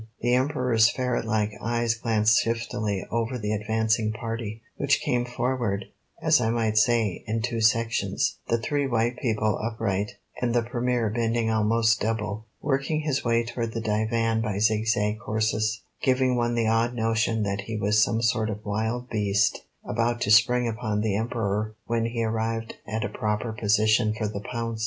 The Emperor's ferret like eyes glanced shiftily over the advancing party, which came forward, as I might say, in two sections, the three white people upright, and the Premier bending almost double, working his way toward the divan by zigzag courses, giving one the odd notion that he was some sort of wild beast about to spring upon the Emperor when he arrived at a proper position for the pounce.